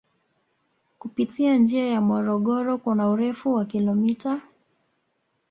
kupitia njia ya Morogoro kuna urefu wa kilomita